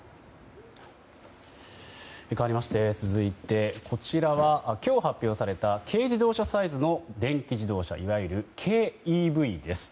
かわりまして続いて、こちらは今日発表された軽自動車サイズの電気自動車いわゆる軽ＥＶです。